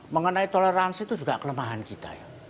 mengenai toleransi itu juga kelemahan kita ya